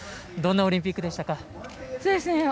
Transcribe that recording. どんなオリンピックでしたか？